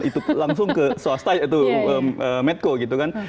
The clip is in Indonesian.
itu langsung ke swasta itu medco gitu kan